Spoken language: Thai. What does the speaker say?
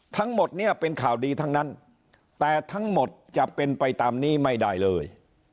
ทั้งหมดเนี่ยเป็นข่าวดีทั้งนั้นแต่ทั้งหมดจะเป็นไปตามนี้ไม่ได้เลย